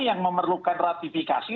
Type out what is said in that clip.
yang memerlukan ratifikasi